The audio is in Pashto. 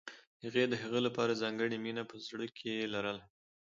هغې د هغه لپاره ځانګړې مینه په زړه کې لرله